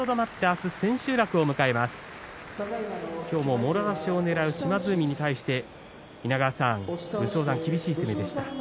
今日ももろ差しをねらう島津海に対して武将山は厳しい攻めでした。